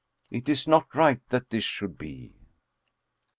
It is not right that this should be."